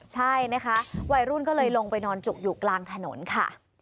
ใช่นะคะวัยรุ่นก็เลยลงไปนอนจุกอยู่กลางถนนค่ะ